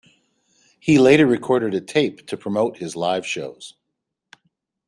He later recorded a tape to promote his live shows.